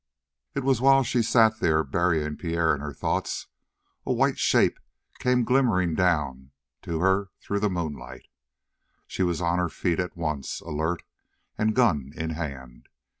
It was while she sat there, burying Pierre in her thoughts, a white shape came glimmering down to her through the moonlight. She was on her feet at once, alert and gun in hand.